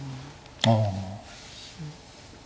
ああ。